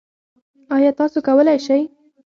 ایا تاسو کولی شئ؟